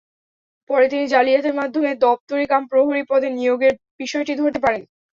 পরে তিনি জালিয়াতির মাধ্যমে দপ্তরি কাম প্রহরী পদে নিয়োগের বিষয়টি ধরতে পারেন।